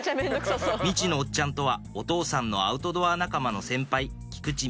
みちのおっちゃんとはお父さんのアウトドア仲間の先輩